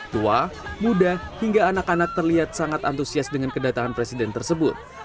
tua muda hingga anak anak terlihat sangat antusias dengan kedatangan presiden tersebut